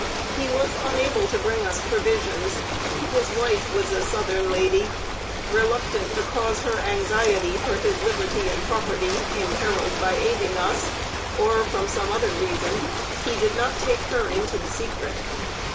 He was unable to bring us provisions. His wife was a Southern lady. Reluctant to cause her anxiety for his liberty and property, imperiled by aiding us, or from some other reason, he did not take her into the secret.